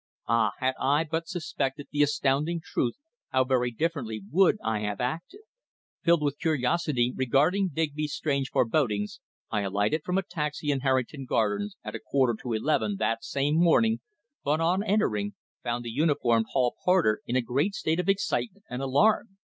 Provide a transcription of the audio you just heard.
Ah! had I but suspected the astounding truth how very differently would I have acted! Filled with curiosity regarding Digby's strange forebodings, I alighted from a taxi in Harrington Gardens at a quarter to eleven that same morning, but on entering found the uniformed hall porter in a great state of excitement and alarm.